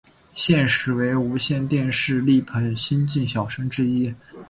现时为无线电视力捧新晋小生之一。